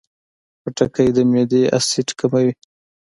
خټکی د معدې اسید کموي.